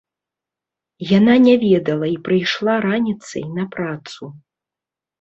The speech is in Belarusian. Яна не ведала і прыйшла раніцай на працу.